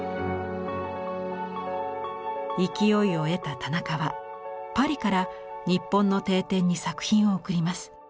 勢いを得た田中はパリから日本の帝展に作品を送ります。